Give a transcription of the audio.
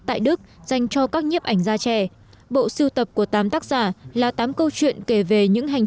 tại đức dành cho các nhiếp ảnh gia trẻ bộ siêu tập của tám tác giả là tám câu chuyện kể về những hành